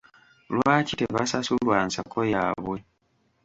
Lwaki tebasasulwa nsako yaabwe.